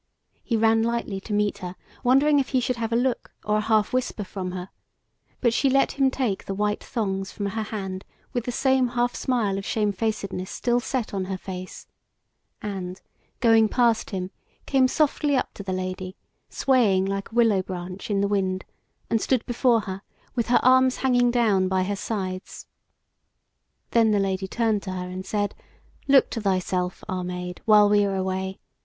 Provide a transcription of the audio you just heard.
He ran lightly to meet her, wondering if he should have a look, or a half whisper from her; but she let him take the white thongs from her hand, with the same half smile of shamefacedness still set on her face, and, going past him, came softly up to the Lady, swaying like a willow branch in the wind, and stood before her, with her arms hanging down by her sides. Then the Lady turned to her, and said: "Look to thyself, our Maid, while we are away.